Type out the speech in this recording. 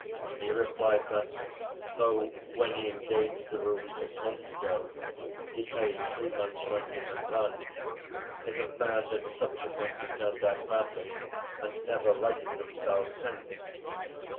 He replied that though, when he engaged the room six months ago, he paid three months' rent in advance, his affairs had subsequently turned out badly, and never righted themselves since.